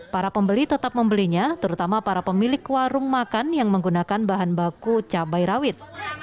para pembeli tetap membelinya terutama para pemilik warung makan yang menggunakan bahan baku cabai rawit